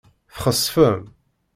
Txesfem.